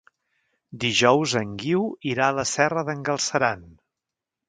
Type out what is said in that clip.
Dijous en Guiu irà a la Serra d'en Galceran.